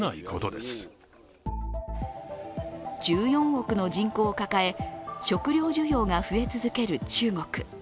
１４億の人口を抱え食料需要が増え続ける中国。